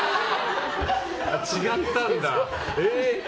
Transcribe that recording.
違ったんだ。